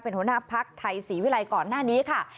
หัวหน้าภักดิ์ไทยศรีวิรัยก่อนหน้านี้ค่ะ